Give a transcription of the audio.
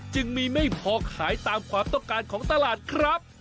จึงมีไม่พอขายตามความต้องการของตลาดครับ